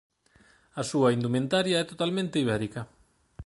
A súa indumentaria é totalmente ibérica.